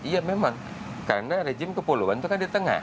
iya memang karena rejim kepulauan itu kan di tengah